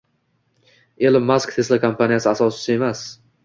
Ilon Mask Tesla kompaniyasi asoschisi emas.